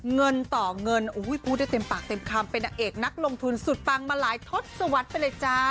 เงินต่อเงินพูดได้เต็มปากเต็มคำเป็นนางเอกนักลงทุนสุดปังมาหลายทศวรรษไปเลยจ้า